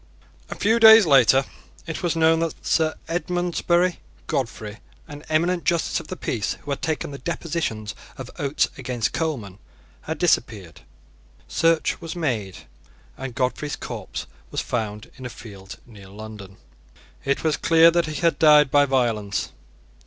A few days later it was known that Sir Edmondsbury Godfrey, an eminent justice of the peace who had taken the depositions of Oates against Coleman, had disappeared. Search was made; and Godfrey's corpse was found in a field near London. It was clear that he had died by violence.